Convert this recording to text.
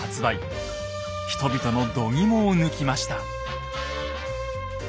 人々のどぎもを抜きました。